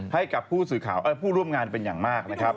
ให้กับผู้ร่วมงานเป็นอย่างมากนะครับ